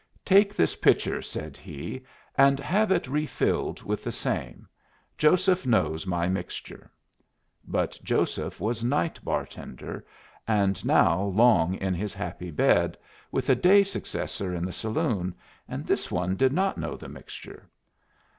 "Take this pitcher," said he, "and have it refilled with the same. Joseph knows my mixture." But Joseph was night bar tender, and now long in his happy bed, with a day successor in the saloon, and this one did not know the mixture.